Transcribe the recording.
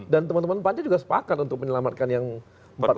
dan teman teman panja juga sepakat untuk menyelamatkan yang empat tujuh juta ini